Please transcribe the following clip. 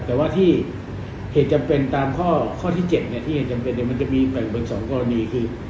แต่ว่าที่เหตุจำเป็นตามข้อที่๗เนี่ยมันจะมีแปลกบัน๒กรณีคือ